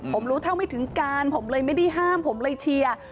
ผมรู้เท่าไม่ถึงการผมเลยไม่ได้ห้ามผมเลยเชียร์